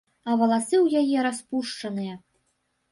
А валасы ў яе распушчаныя.